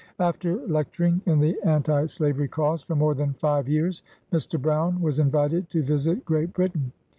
After lecturing in the Anti Slavery cause for more than five years, Mr. Brown was invited to visit Great Britain.